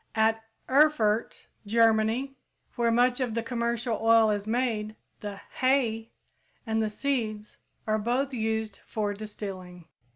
At Erfurt, Germany, where much of the commercial oil is made, the "hay" and the seeds are both used for distilling.